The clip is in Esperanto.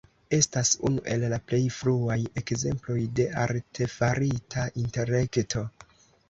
Estas unu el la plej fruaj ekzemploj de Artefarita intelekto.